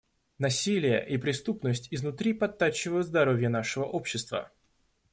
Насилие и преступность изнутри подтачивают здоровье нашего общества.